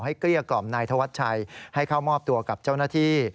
เกลี้ยกล่อมนายธวัชชัยให้เข้ามอบตัวกับเจ้าหน้าที่